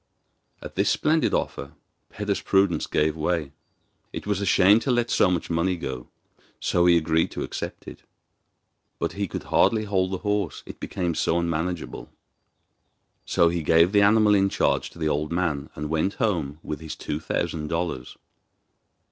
At this splendid offer Peder's prudence gave way; it was a shame to let so much money go. So he agreed to accept it. But he could hardly hold the horse, it became so unmanageable. So he gave the animal in charge to the old man, and went home with his two thousand dollars.